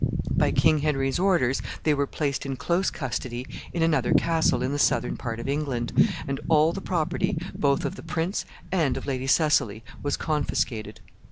By King Henry's orders, they were placed in close custody in another castle in the southern part of England, and all the property, both of the prince and of Lady Cecily, was confiscated.